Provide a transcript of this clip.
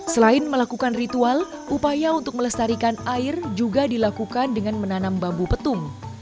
selain melakukan ritual upaya untuk melestarikan air juga dilakukan dengan menanam bambu petung